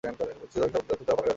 সুতরাং শব্দের অর্থ "দফার ধারক"।